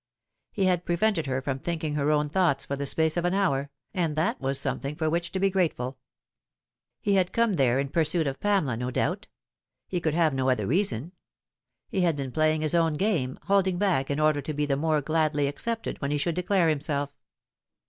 He had prevented her from thinking her own thoughts for the space of an hour, and that was something for which to be grateful. He had come there in pursuit of Pamela, no doubt. He could have no other reason. He had been play ing his own game, holding back in order to be the more gladly accepted when he should declare himself.